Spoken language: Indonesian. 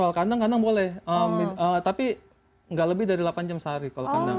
kalau kandang kandang boleh tapi nggak lebih dari delapan jam sehari kalau kandang